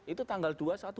itu tanggal dua dua belas